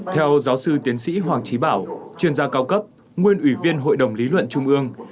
theo giáo sư tiến sĩ hoàng trí bảo chuyên gia cao cấp nguyên ủy viên hội đồng lý luận trung ương